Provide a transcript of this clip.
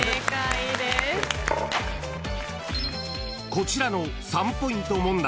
［こちらの３ポイント問題］